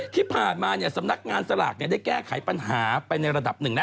ที่ผ่านมาสำนักงานสลากได้แก้ไขปัญหาไปในระดับหนึ่งแล้ว